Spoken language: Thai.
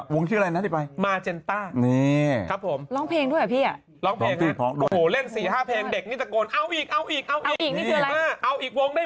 วงของชื่ออะไรนะเดี่ยวไป